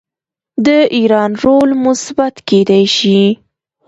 د ایران رول مثبت کیدی شي.